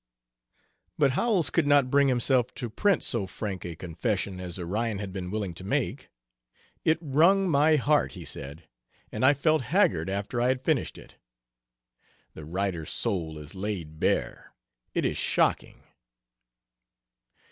But Howells could not bring himself to print so frank a confession as Orion had been willing to make. "It wrung my heart," he said, "and I felt haggard after I had finished it. The writer's soul is laid bare; it is shocking."